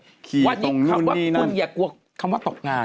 หาเงินได้เลยขี่ตรงโง่นนี่นั่นคุณอย่ากลัวคำว่าตกงาน